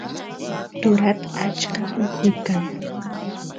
turat achka ujuy kan